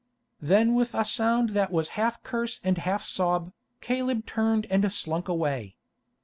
Then with a sound that was half curse and half sob, Caleb turned and slunk away.